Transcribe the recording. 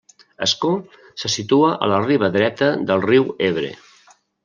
Ascó se situa a la riba dreta del riu Ebre.